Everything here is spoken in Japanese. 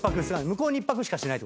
向こうに１泊しかしない。